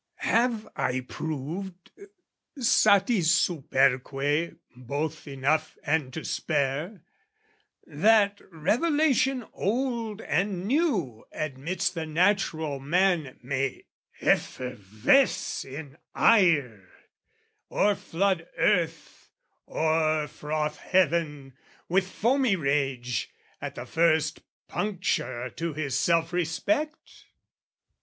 Have I proved Satis superque, both enough and to spare, That Revelation old and new admits The natural man may effervesce in ire, O'erflood earth, o'erfroth heaven with foamy rage, At the first puncture to his self respect?